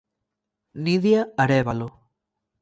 Nidia Arévalo.